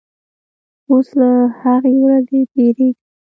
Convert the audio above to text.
اوس له هغې ورځې بیریږم